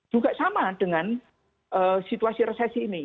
juga sama dengan situasi resesi ini